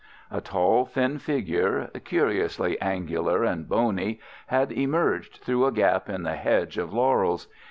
A tall, thin figure, curiously angular and bony, had emerged through a gap in the hedge of laurels.